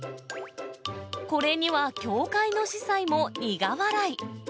これには教会の司祭も苦笑い。